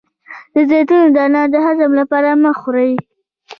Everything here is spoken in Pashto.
د زیتون دانه د هضم لپاره مه خورئ